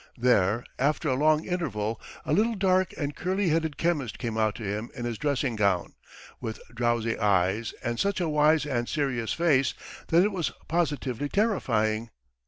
There, after a long interval, a little dark and curly headed chemist came out to him in his dressing gown, with drowsy eyes, and such a wise and serious face that it was positively terrifying.